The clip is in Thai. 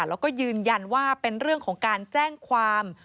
แล้วก็ยืนยันว่าเป็นเรื่องของการแจ้งความ